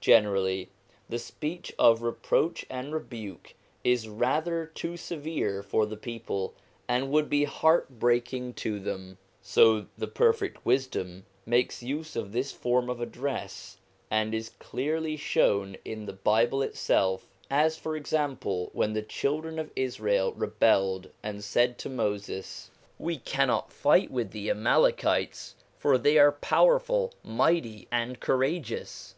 Generally the speech of reproach and rebuke is rather too severe for the people, and would be heart breaking to them. So 192 THE MANIFESTATIONS OF GOD 193 the Perfect Wisdom makes use of this form of address, as is clearly shown in the Bible itself, as, for example, when the children of Israel rebelled and said to Moses : 'We cannot fight with the Amalekites, for they are powerful, mighty, and courageous.'